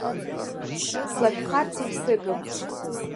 Слашәхарц егьсыгым.